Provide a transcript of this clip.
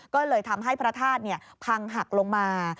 ก็เลยทำให้พระธาตุพังหักลงมา